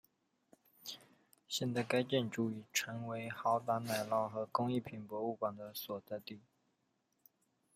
现在该建筑已成为豪达奶酪和工艺品博物馆的所在地。